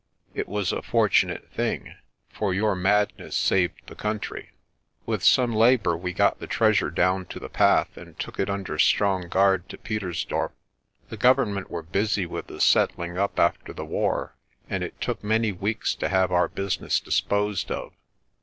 It was a fortunate thing, for your madness saved the country." With some labour we got the treasure down to the path, and took it under strong guard to Pietersdorp. The Govern ment were busy with the settling up after the war, and it took many weeks to have our business disposed of.